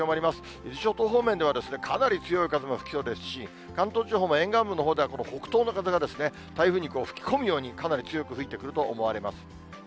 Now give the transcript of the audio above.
伊豆諸島方面ではかなり強い風も吹きそうですし、関東地方も沿岸部のほうでは北東の風が、台風に吹き込むように、かなり強く吹いてくると思われます。